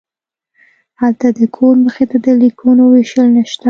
هلته د کور مخې ته د لیکونو ویشل نشته